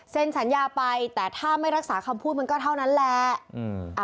สัญญาไปแต่ถ้าไม่รักษาคำพูดมันก็เท่านั้นแหละ